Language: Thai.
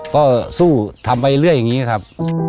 ก็สู้ทำไปเรื่อยอย่างนี้ครับ